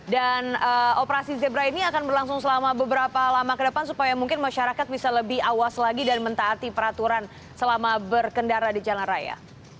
dan operasi zebra ini akan berlangsung selama beberapa lama ke depan supaya mungkin masyarakat bisa lebih awas lagi dan mentaati peraturan selama berkendara di jalan raya